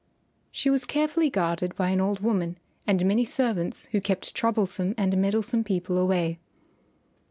She was carefully guarded by an old woman and many servants who kept troublesome and meddlesome people away.